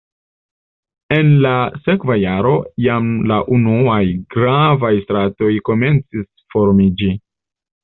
En la sekva jaro jam la unuaj gravaj stratoj komencis formiĝi.